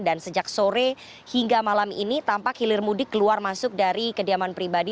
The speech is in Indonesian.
dan sejak sore hingga malam ini tampak hilir mudik keluar masuk dari kediaman pribadi